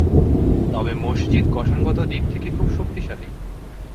তবে মসজিদ গঠনগত দিক থেকে খুব শক্তিশালী।